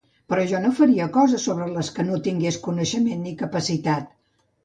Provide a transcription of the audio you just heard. Però jo no faria coses sobre les que no tingués coneixement ni capacitat.